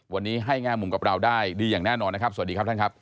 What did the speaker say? วันนี้ให้แง่มุมกับเราได้ดีอย่างแน่นอนนะครับสวัสดีครับท่านครับ